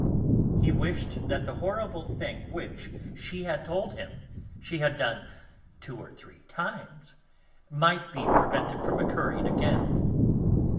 He wished that the horrible thing which, she had told him, she had done "two or three times" might be prevented from occurring again.